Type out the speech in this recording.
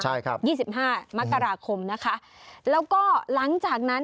ใช่ครับยี่สิบห้ามกราคมนะคะแล้วก็หลังจากนั้น